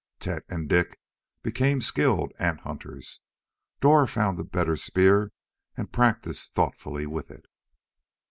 Tet and Dik became skilled ant hunters. Dor found a better spear and practiced thoughtfully with it.